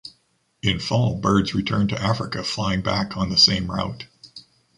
In Fall birds return to Africa flying back on the same route.